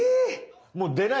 もう出ないです！